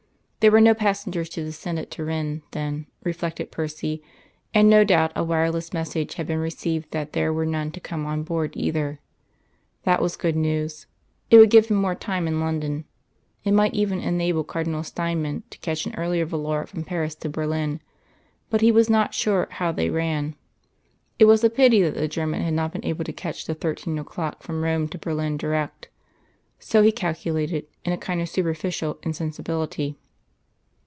There were no passengers to descend at Turin, then, reflected Percy; and no doubt a wireless message had been received that there were none to come on board either. That was good news: it would give him more time in London. It might even enable Cardinal Steinmann to catch an earlier volor from Paris to Berlin; but he was not sure how they ran. It was a pity that the German had not been able to catch the thirteen o'clock from Rome to Berlin direct. So he calculated, in a kind of superficial insensibility.